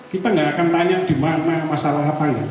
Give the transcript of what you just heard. kita gak akan tanya dimana masalah apanya